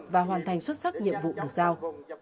và hoàn thành xuất sắc nhiệm vụ được sao